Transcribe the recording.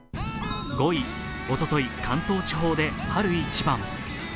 ５位、おととい関東地方で春一番。